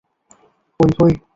ওই, হই।